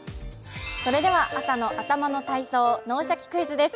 それでは朝の頭の体操、「脳シャキ！クイズ」です。